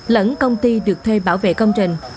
lẫn công ty được thuê bảo vệ công trình